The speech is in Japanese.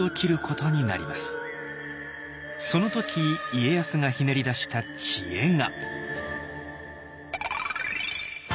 その時家康がひねり出した「知恵」が。